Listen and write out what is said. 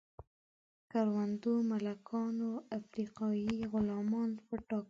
کروندو مالکانو افریقایي غلامان وټاکل.